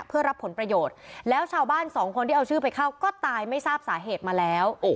เพื่อรับผลประโยชน์แล้วชาวบ้านสองคนที่เอาชื่อไปเข้าก็ตายไม่ทราบสาเหตุมาแล้ว